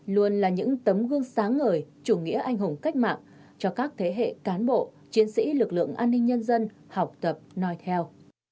luôn là những tấm gương sáng ngời chủ nghĩa anh hùng cách mạng cho các thế hệ cán bộ chiến sĩ lực lượng an ninh nhân dân học tập nói theo